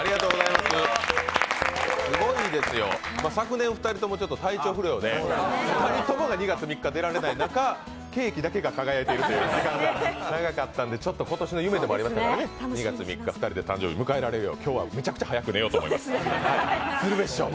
すごいですよ、昨年、２人とも体調不良で、２人とも、２月３日に出られない中、ケーキが輝いてるということがありましたのでちょっと今年の夢でもありましたので、２月３日、２人で誕生日を一緒に迎えられるよう今日はめちゃくちゃ早く寝ようと思います。